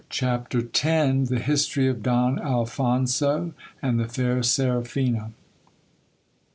X. — The history of Don Alphouso and the fair Seraphina.